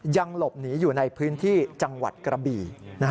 ยังหลบหนีอยู่ในพื้นที่จังหวัดกระบี่